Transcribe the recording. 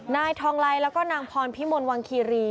นายทองไลแล้วก็นางพรพิมลวังคีรี